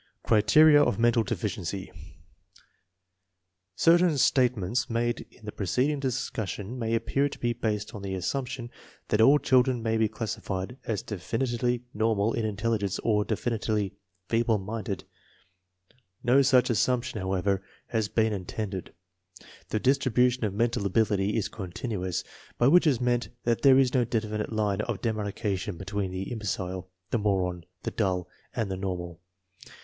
Criteria of mental deficiency. Certain statements made in the preceding discussion may appear to be based on the assumption that all children may be class ified as definitely normal in intelligence or definitely feeble minded. No such assumption, however, has MENTAL TESTS OF SCHOOL LAGGARDS 127 been intended. The distribution of mental ability is "continuous," by which is meant that there is no defi nite line of demarcation between the imbecile, the moron, the dull, and the normal.